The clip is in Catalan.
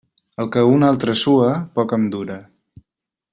El que un altre sua, poc em dura.